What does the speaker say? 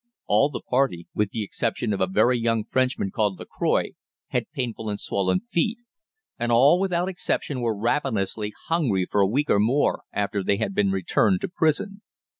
All the party, with the exception of a very young Frenchman called La Croix, had painful and swollen feet, and all without exception were ravenously hungry for a week or more after they had been returned to prison.